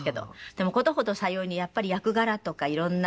でも事ほどさようにやっぱり役柄とかいろんなので。